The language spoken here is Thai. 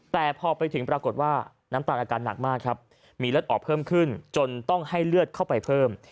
แต่พอไปถึงปรากฏว่าน้ำตาลอาการหนักมากครับมีเลือดออกเพิ่มขึ้นจนต้องให้เลือดเข้าไปเพิ่ม